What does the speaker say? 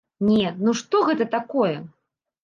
Не, ну што гэта такое?